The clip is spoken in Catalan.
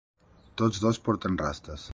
Tots dos porten rastes.